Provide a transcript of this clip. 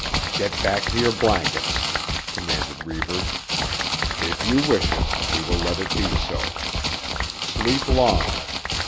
"Get back to your blankets," commanded Reivers. "If you wish it, we will let it be so. Sleep long.